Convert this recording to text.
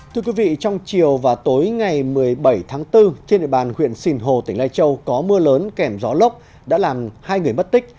thưa quý vị trong chiều và tối ngày một mươi bảy tháng bốn trên địa bàn huyện sinh hồ tỉnh lai châu có mưa lớn kèm gió lốc đã làm hai người mất tích